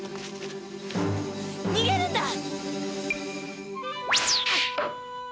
逃げるんだ！